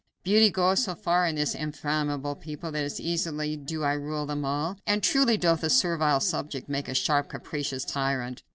Beauty goeth so far with this inflammable people that easily do I rule them all, and truly doth a servile subject make a sharp, capricious tyrant.